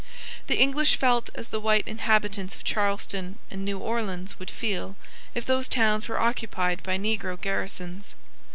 The English felt as the white inhabitants of Charleston and New Orleans would feel if those towns were occupied by negro garrisons.